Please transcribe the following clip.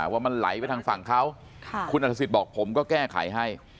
ว่ามันไหลไปทางฝั่งเขาคุณอัฐศิษย์บอกผมก็แก้ไขให้